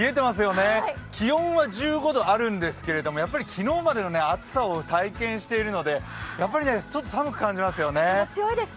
気温は１５度あるんですが、昨日までの暑さを体験しているのでちょっと寒く感じますよね。